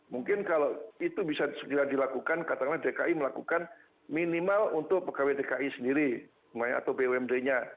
mungkin kalau itu bisa segera dilakukan katakanlah dki melakukan minimal untuk pegawai dki sendiri atau bumd nya